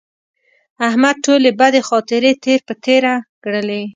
احمد ټولې بدې خاطرې تېر په تېره کړلې.